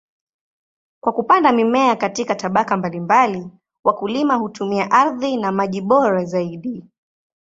Kwa kupanda mimea katika tabaka mbalimbali, wakulima hutumia ardhi na maji bora zaidi.